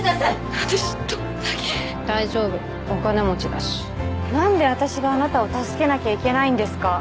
私どんだけ大丈夫お金持ちだしなんで私があなたを助けなきゃいけないんですか？